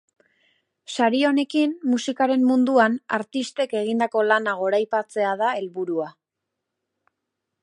Sari honekin musikaren munduan artistek egindako lana goraipatzea da helburua.